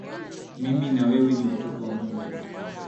Mimi na wewe ni watoto wa mungu